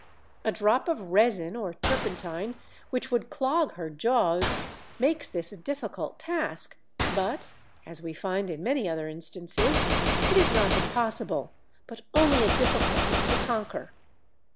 A drop of resin or turpentine, which would clog her jaws, makes this a difficult task, but, as we find in many other instances, it is not impossible, but only a difficulty to conquer.